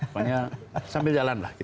pokoknya sambil jalan lah